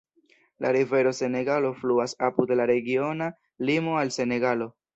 La Rivero Senegalo fluas apud la regiona limo al Senegalo.